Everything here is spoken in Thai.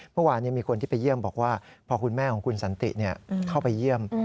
เมื่อวานมีคนที่ไปเยี่ยมบอกว่าพอคุณแม่ของคุณสันติเข้าไปเยี่ยม